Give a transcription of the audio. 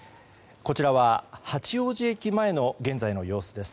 こちらは八王子駅前の現在の様子です。